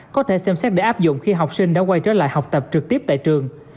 có thể xem xét để áp dụng khi học sinh đã quay trở lại học tập trực tiếp tại trường